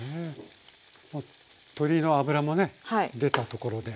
鶏の脂もね出たところで。